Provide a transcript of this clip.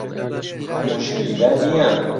موشکیلە نیە.